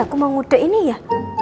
aku mau ngude ini ya